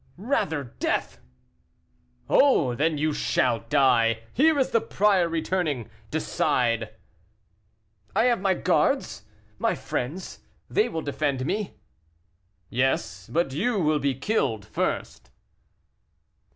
"Rather death!" "Oh! then you shall die! Here is the prior returning. Decide!" "I have my guards my friends; they will defend me." "Yes, but you will be killed first."